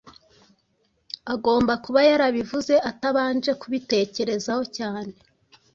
Agomba kuba yarabivuze atabanje kubitekerezaho cyane.